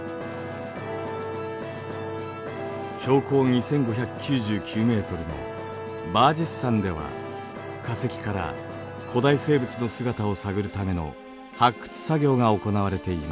標高２５９９ｍのバージェス山では化石から古代生物の姿を探るための発掘作業が行われています。